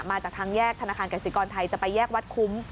มาจากทางแยกธนาคารกสิกรไทยจะไปแยกวัดคุ้ม